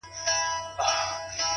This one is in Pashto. • پخوا به سترګه سوځېدله د بابا له ږیري,